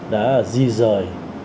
đã di rời